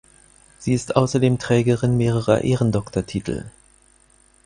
Sie ist außerdem Trägerin mehrerer Ehrendoktortitel.